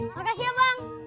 makasih ya bang